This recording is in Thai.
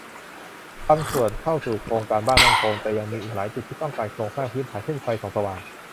บางส่วนเข้าสู่โครงการบ้านมั่นคง แต่ยังมีอีกหลายจุดที่ต้องการโครงสร้างพื้นฐานเช่น ไฟส่องสว่าง